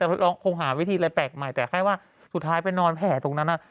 แต่เราคงหาวิธีอะไรแปลกใหม่แต่แค่ว่าสุดท้ายไปนอนแผลตรงนั้น